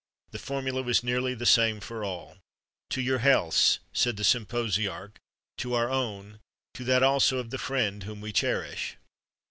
The formula was nearly the same for all: "To your healths," said the symposiarch, "to our own, to that also of the friend whom we cherish."